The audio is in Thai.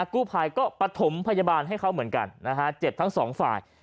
กูภายก็ประถมพยาบาลให้เค้าเหมือนกันเจ็บทั้ง๒ฝ่าย